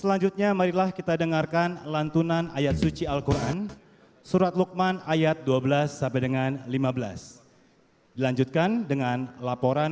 kata mereka diriku selalu dimanjakan